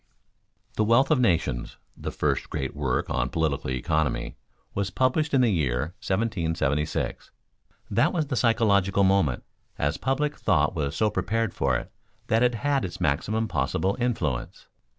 _ "The Wealth of Nations," the first great work on political economy, was published in the year 1776. That was the "psychological moment," as public thought was so prepared for it that it had its maximum possible influence.